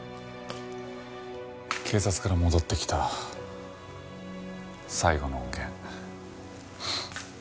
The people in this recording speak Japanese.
警察から戻ってきた最後の音源。